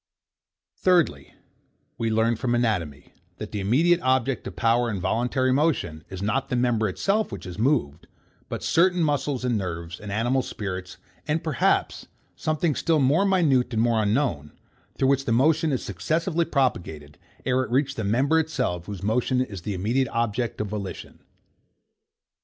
Thirdly, We learn from anatomy, that the immediate object of power in voluntary motion, is not the member itself which is moved, but certain muscles, and nerves, and animal spirits, and, perhaps, something still more minute and more unknown, through which the motion is successively propagated, ere it reach the member itself whose motion is the immediate object of volition.